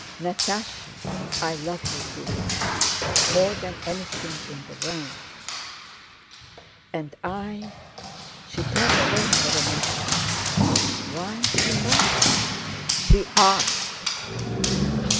"Natásha, I love you too much! More than anything in the world." "And I!"—She turned away for an instant. "Why too much?" she asked.